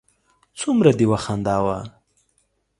څومره دې و خنداوه